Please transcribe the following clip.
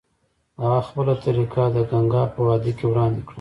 هغه خپله طریقه د ګنګا په وادۍ کې وړاندې کړه.